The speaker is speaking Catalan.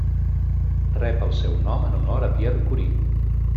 Rep el seu nom en honor a Pierre Curie.